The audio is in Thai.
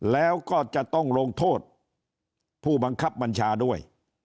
แล้วก็จะต้องลงโทษผู้บังคับบัญชาด้วย